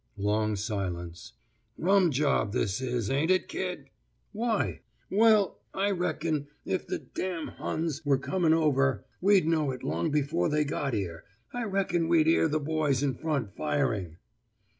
Long silence. 'Rum job, this, ain't it, kid?' 'Why?' 'Well, I reckon if the Huns were coming over, we'd know it long afore they got 'ere. I reckon we'd 'ear the boys in front firing.